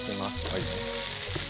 はい。